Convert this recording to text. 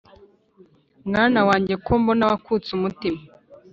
mwana wanjye kombona wakutse umutima: